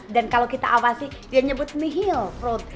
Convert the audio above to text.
dan kalau kita awasi dia nyebut nihil fraud